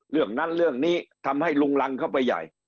เรื่องนั้นเรื่องนี้ทำให้ลุงรังเข้าไปใหญ่